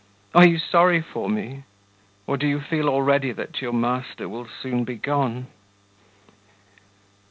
Are you sorry for me? or do you feel already that your master will soon be gone?